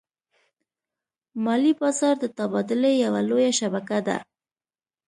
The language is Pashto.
مالي بازار د تبادلې یوه لویه شبکه ده.